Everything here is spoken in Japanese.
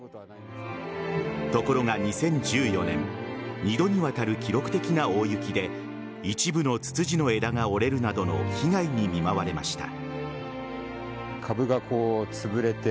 ところが２０１４年二度にわたる記録的な大雪で一部のツツジの枝が折れるなどの被害に見舞われました。